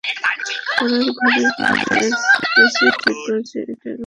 পড়ার ঘরের fireplace ঠিক করেছে, এটার ওপরই জোর দিল জিম।